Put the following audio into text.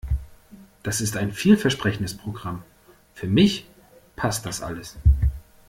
Das ist ein vielversprechendes Programm. Für mich passt das alles.